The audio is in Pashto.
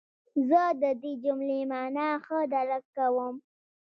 زه د دې جملې مانا ښه درک کوم.